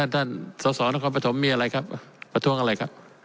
เอ่อท่านสอสอนครับมีอะไรครับประทวงอะไรครับ